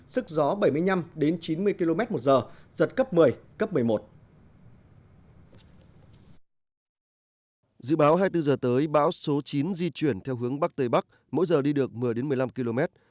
dự báo hai mươi bốn h tới bão số chín di chuyển theo hướng bắc tây bắc mỗi giờ đi được một mươi một mươi năm km